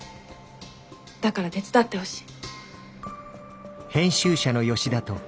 だから手伝ってほしい。